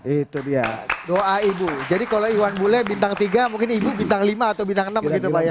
itu dia doa ibu jadi kalau iwan bule bintang tiga mungkin ibu bintang lima atau bintang enam begitu pak ya